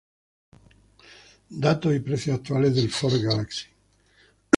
Datos y precios actuales del Ford Galaxy